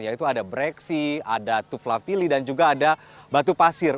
yaitu ada breksi ada tuflapili dan juga ada batu pasir